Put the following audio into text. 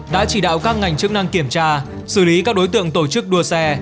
đã chỉ đạo các ngành chức năng kiểm tra xử lý các đối tượng tổ chức đua xe